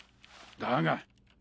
だが。